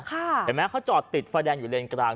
เห็นไหมเขาจอดติดไฟแดงอยู่เลนกลาง